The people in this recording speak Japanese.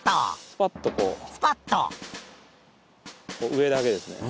上だけですね